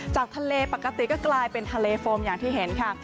จากทะเลปกติก็กลายเป็นทะเลโฟมอย่างที่เห็นค่ะ